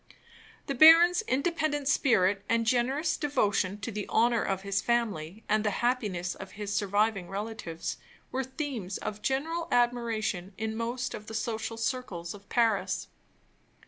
The baron's independent spirit and generous devotion to the honor of his family and the happiness of his surviving relatives were themes of general admiration in most of the social circles of Paris.